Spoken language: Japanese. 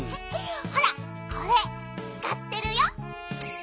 ほらこれつかってるよ。